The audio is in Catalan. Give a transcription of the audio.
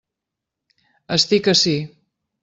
Estic ací!